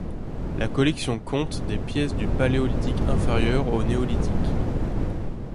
La collection compte des pièces du Paléolithique inférieur au Néolithique.